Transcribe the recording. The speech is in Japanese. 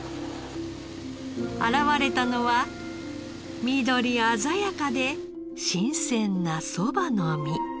現れたのは緑鮮やかで新鮮なそばの実。